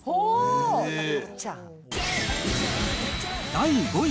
第５位。